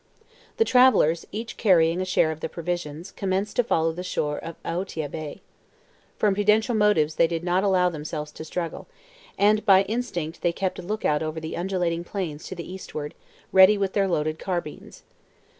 The travelers, each carrying a share of the provisions, commenced to follow the shore of Aotea Bay. From prudential motives they did not allow themselves to straggle, and by instinct they kept a look out over the undulating plains to the eastward, ready with their loaded carbines.